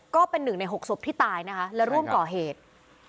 ก็เป็นหนึ่งใน๖ศพที่ตายนะคะและร่วมก่อเหตุ